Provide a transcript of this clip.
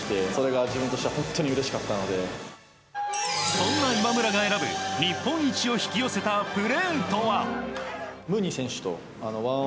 そんな今村が選ぶ日本一を引き寄せたプレーとは？